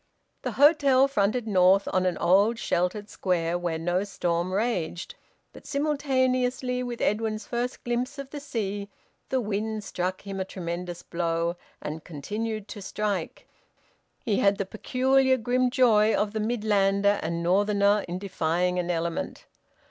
The hotel fronted north on an old sheltered square where no storm raged, but simultaneously with Edwin's first glimpse of the sea the wind struck him a tremendous blow, and continued to strike. He had the peculiar grim joy of the Midlander and Northerner in defying an element.